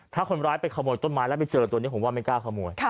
ถ้าคนร้ายไปขโมยต้นไม้แล้วไปเจอตัวนี้ผมว่าไม่กล้าขโมย